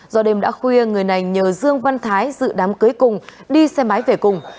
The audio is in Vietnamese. do đêm đã khuya người này nhờ dương văn thái dự đám cưới cùng đi xe máy về cùng